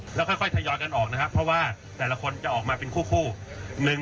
แล้วค่อยทยอยกันออกนะครับเพราะว่าแต่ละคนจะออกมาเป็นคู่